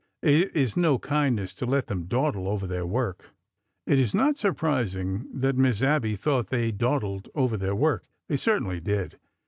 It is no kindness to let them dawdle over their work." It is not surprising that Miss Abby thought they daw dled over their work. They certainly did.